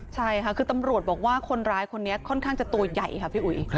ใช่ค่ะคือตำรวจบอกว่าคนร้ายคนนี้ค่อนข้างจะตัวใหญ่ค่ะพี่อุ๋ย